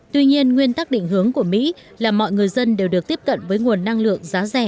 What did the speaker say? tuy nhiên nguyên tắc định hướng của mỹ là mọi người dân đều được tiếp cận với nguồn năng lượng giá rẻ